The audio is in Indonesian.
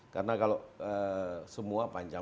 karena kalau semua panjang